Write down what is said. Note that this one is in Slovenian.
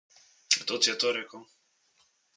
Kdo ti je to rekel?